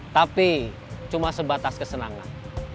tapi cuma sebatas kesenangan